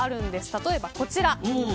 例えばこちら。